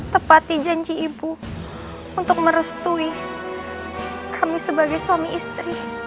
tepati janji ibu untuk merestui kami sebagai suami istri